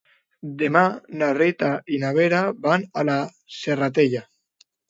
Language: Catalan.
Demà na Rita i na Vera van a la Serratella.